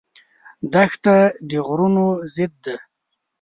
دښته د غرور ضد ده.